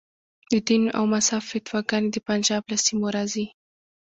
د دین او مذهب فتواګانې د پنجاب له سیمو راځي.